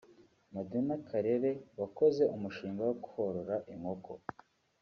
Madina Karere wakoze umushinga wo korora inkoko